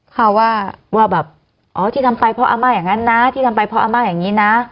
เขาว่าว่าแบบอ๋อที่ทำไปเพราะอาม่าอย่างนั้นนะที่ทำไปเพราะอาม่าอย่างนี้นะ